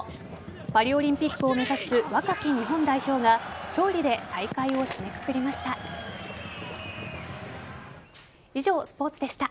パリオリンピックを目指す若き日本代表が勝利で大会を締めくくりました。